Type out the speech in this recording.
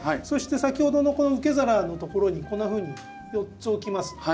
そして先ほどのこの受け皿のところにこんなふうに４つ置きます。